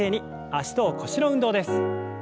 脚と腰の運動です。